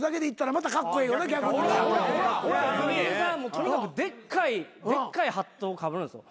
とにかくでっかいハットをかぶるんですよ。